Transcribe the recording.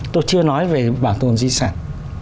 tôi chưa nói về bảo tồn di sản